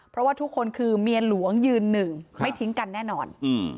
เพราะว่าทุกคนคือเมียหลวงยืนหนึ่งไม่ทิ้งกันแน่นอน